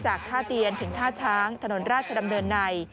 จากท่าเตียนถึงท่าช้างถนนราชดำเนินใน